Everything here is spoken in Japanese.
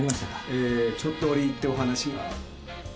えーちょっと折り入ってお話が。